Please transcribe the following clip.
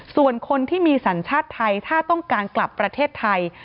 ส่วนคนที่มีสัญชาติไทยถ้าต้องการกลับประเทศไทย